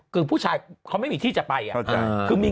คือผู้ชายเขาไม่มีที่จะไปอะ